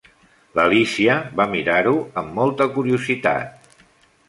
L'Alícia va mirar-ho amb molta curiositat.